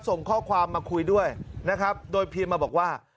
ส่งข้อความมาคุยด้วยนะครับโดยพิมพ์มาบอกว่า